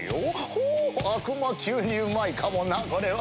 ほう悪魔級にうまいかもなこれは。